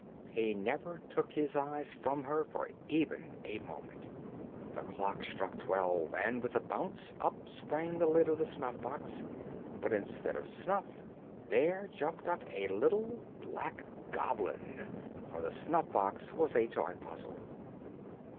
He never took his eyes from her for even a moment. The clock struck twelve, and, with a bounce, up sprang the lid of the snuff box; but, instead of snuff, there jumped up a little black goblin; for the snuff box was a toy puzzle.